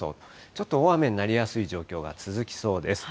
ちょっと大雨になりやすい状況が続きそうです。